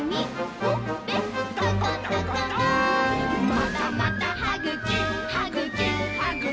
「またまたはぐき！はぐき！はぐき！